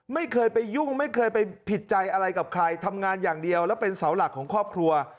ไม่เคยไปยุ่งไม่เคยไปผิดใจอะไรกับใครทำงานอย่างเดียวแล้วเป็นเสาหลักของครอบครัว